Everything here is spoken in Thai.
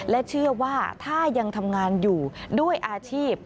และเชื่อว่าถ้ายังทำงานอยู่ด้วยอาชีพ